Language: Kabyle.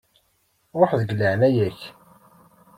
Ruḥ, deg leɛnaya-k.